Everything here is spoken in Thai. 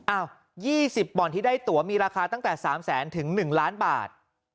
๒๐บ่อนที่ได้ตัวมีราคาตั้งแต่๓แสนถึง๑ล้านบาท